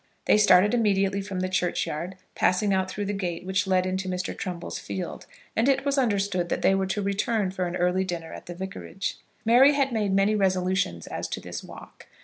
They started immediately from the churchyard, passing out through the gate which led into Mr. Trumbull's field, and it was understood that they were to return for an early dinner at the vicarage. Mary had made many resolutions as to this walk.